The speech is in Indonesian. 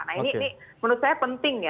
nah ini menurut saya penting ya